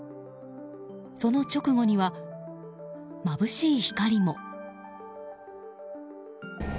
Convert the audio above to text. その直後には、まぶしい光も。